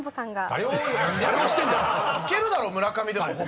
⁉いけるだろ村上でも。